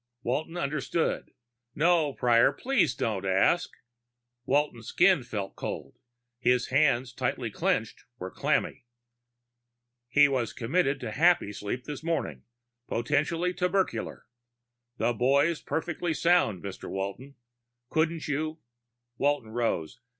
Walton understood. "No, Prior. Please don't ask." Walton's skin felt cold; his hands, tightly clenched, were clammy. "He was committed to Happysleep this morning potentially tubercular. The boy's perfectly sound, Mr. Walton. Couldn't you " Walton rose.